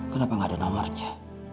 kenapa tidak ada nomornya